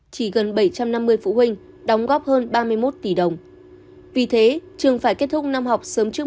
chỉ gần bảy trăm năm mươi phụ huynh đóng góp hơn ba mươi một tỷ đồng vì thế trường phải kết thúc năm học sớm trước